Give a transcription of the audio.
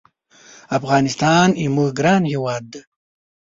افغانستان زمونږ ګران هېواد دی